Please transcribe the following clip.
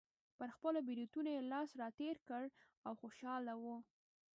پر خپلو برېتونو یې لاس راتېر کړ او خوشحاله و.